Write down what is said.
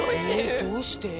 どうして？